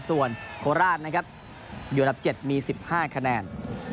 ส่วนโคราชนะครับอยู่อันดับ๗มี๑๕คะแนน